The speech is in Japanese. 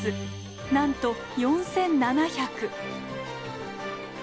なんと４，７００。